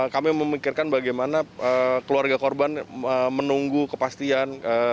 kami memikirkan bagaimana keluarga korban menunggu kepastian